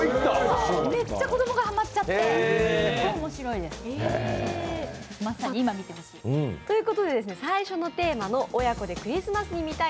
めっちゃ子供がハマっちゃって面白いです。ということで最初のテーマの親子でクリスマスに見たい